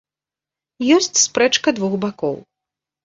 Ёсць спрэчка двух бакоў.